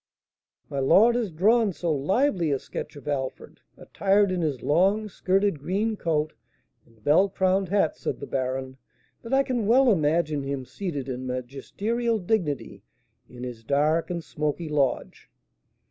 "My lord has drawn so lively a sketch of Alfred, attired in his long skirted green coat and bell crowned hat," said the baron, "that I can well imagine him seated in magisterial dignity in his dark and smoky lodge.